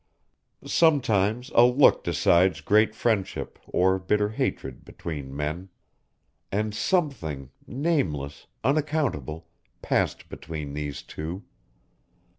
Sometimes a look decides great friendship or bitter hatred between men. And something, nameless, unaccountable, passed between these two.